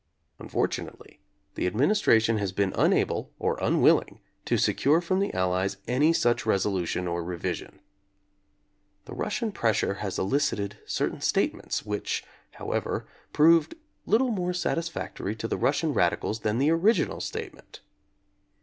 Unfortunately the Administra tion has been unable or unwilling to secure from the Allies any such resolution or revision. The Russian pressure has elicited certain statements, which, however, proved little more satisfactory to the Russian radicals than the original statement.